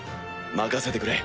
任せてくれ。